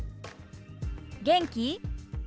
「元気？」。